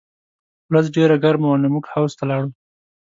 ورځ ډېره ګرمه وه نو موږ حوض ته لاړو